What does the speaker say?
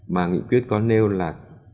mà nghị quyết có nêu là